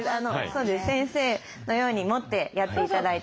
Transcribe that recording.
先生のように持ってやって頂いて。